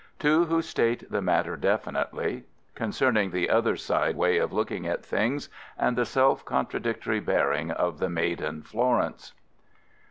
Two who state the matter definitely. Concerning the otherside way of looking at things and the self contradictory bearing of the maiden Florence.